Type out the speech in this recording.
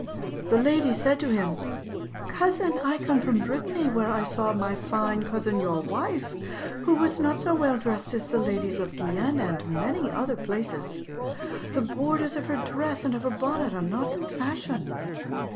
The lady said to him, 'Cousin, I come from Brittany, where I saw my fine cousin, your wife, who was not so well dressed as the ladies of Guyenne and many other places. The borders of her dress and of her bonnet are not in fashion.'